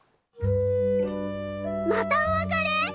またお別れ？